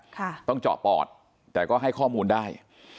ค่ะต้องเจาะปอดแต่ก็ให้ข้อมูลได้